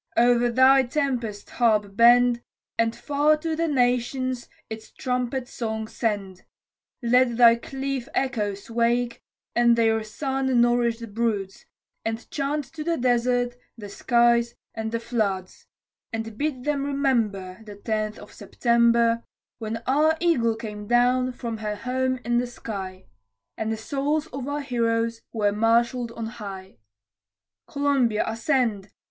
O'er thy tempest harp bend, And far to the nations its trumpet song send, Let thy cliff echoes wake, with their sun nourish'd broods, And chant to the desert the skies and the floods, And bid them remember, The Tenth of September, When our Eagle came down from her home in the sky And the souls of our heroes were marshall'd on high. Columbia, ascend!